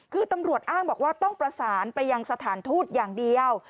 คือตำรวจอ้างบอกว่าต้องประสานไปยังสถานทูตอย่างเดียว